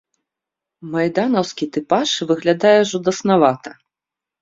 Майданаўскі тыпаж выглядае жудаснавата.